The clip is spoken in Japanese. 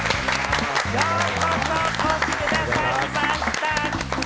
ようこそ、お越しくださいました。